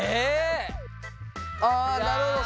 あなるほど。